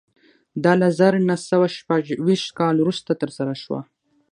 دا له زر نه سوه شپږ ویشت کال وروسته ترسره شوه